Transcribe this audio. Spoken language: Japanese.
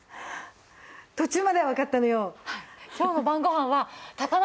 途中まではわかったのよ。